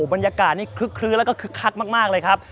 บรรยากาศนี่คลึ้กคลื้อครึ้กคักมากคักมากเลยครับ